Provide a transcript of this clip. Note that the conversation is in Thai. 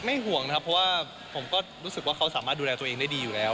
ห่วงนะครับเพราะว่าผมก็รู้สึกว่าเขาสามารถดูแลตัวเองได้ดีอยู่แล้ว